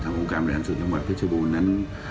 ทำโครงการใบรอบแรงสุทสยงวัดพฤจบุญนั้น